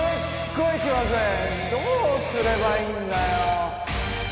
どうすればいいんだよ。